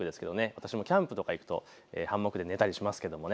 私もキャンプとか行くとハンモックで寝たりします。